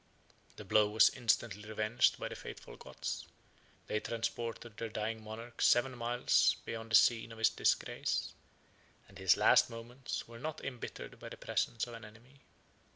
The blow was instantly revenged by the faithful Goths: they transported their dying monarch seven miles beyond the scene of his disgrace; and his last moments were not imbittered by the presence of an enemy.